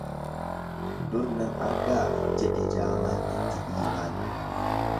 Dur nan argaa jedhe jaamaan itti dhiinaan.